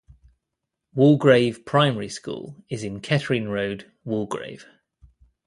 Walgrave Primary School is in Kettering Road, Walgrave.